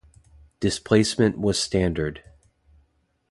Displacement was standard.